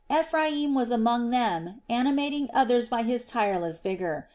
Ephraim was among them animating others by his tireless vigor.